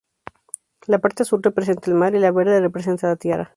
La parte azul representa el mar y la verde representa la tierra.